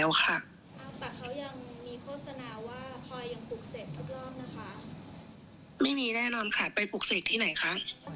เพราะว่าน้องเป็นคนจัดการจ่ายเงินใช่ไหมคะ